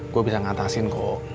saya bisa mengatasinya